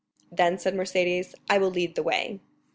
"Then," said Mercédès, "I will lead the way."